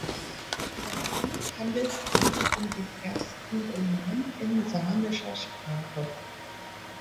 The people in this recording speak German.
Dabei handelt es sich um den ersten Roman in samischer Sprache.